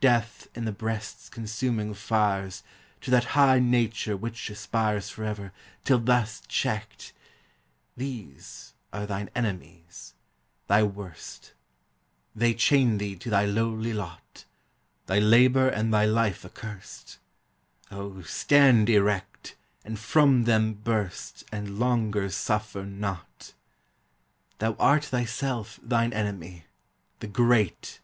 Death, in the breast's consuming fires, To that high nature which aspires Forever, till thus checked; These are thine enemies thy worst: They chain thee to thy lowly lot; Thy labor and thy life accursed. O, stand erect, and from them burst, And longer suffer not. Thou art thyself thine enemy: The great!